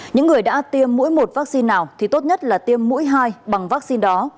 những người đã tiêm mỗi một vaccine nào thì tốt nhất là tiêm mũi hai bằng vaccine đó